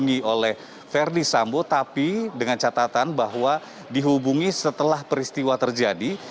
yang dihubungi oleh ferdis sambo tapi dengan catatan bahwa dihubungi setelah peristiwa terjadi